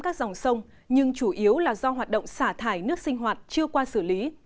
các dòng sông nhưng chủ yếu là do hoạt động xả thải nước sinh hoạt chưa qua xử lý